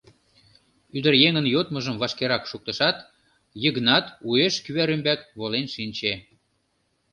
Ӱдыръеҥын йодмыжым вашкерак шуктышат, Йыгнат уэш кӱвар ӱмбак волен шинче.